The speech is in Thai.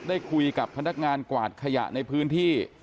ได้คุยกับพนักงานกวาดขยะในพื้นที่